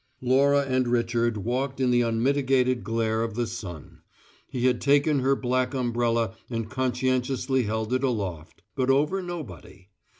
Laura and Richard walked in the unmitigated glare of the sun; he had taken her black umbrella and conscientiously held it aloft, but over nobody.